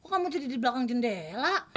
kamu jadi di belakang jendela